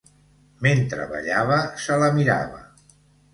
Mentre ballava se la mirava.